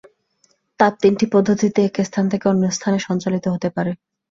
তাপ তিনটি পদ্ধতিতে এক স্থান থেকে অন্য স্থানে সঞ্চালিত হতে পারে।